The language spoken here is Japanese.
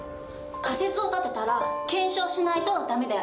仮説を立てたら検証しないと駄目だよね。